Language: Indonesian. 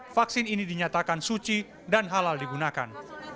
vaksin ini dinyatakan suci dan halal digunakan